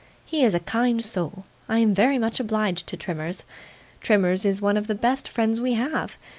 'He is a kind soul. I am very much obliged to Trimmers. Trimmers is one of the best friends we have.